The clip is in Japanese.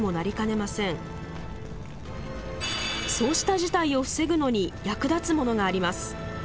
そうした事態を防ぐのに役立つものがあります。